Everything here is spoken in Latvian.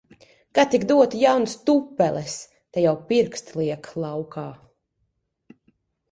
Ka tik dotu jaunas tupeles! Te jau pirksti liek laukā.